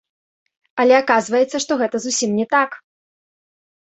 Але аказваецца, што гэта не зусім не так!